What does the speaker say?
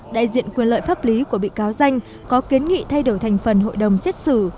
đại diện quyền lợi pháp lý của bị cáo danh có kiến nghị thay đổi thành phần hội đồng xét xử